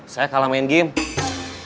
saya kalah main game